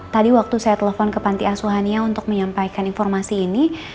tadi waktu saya telepon ke panti asuhania untuk menyampaikan informasi ini